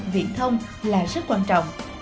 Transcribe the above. viện thông là rất quan trọng